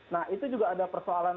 nah itu juga ada persoalan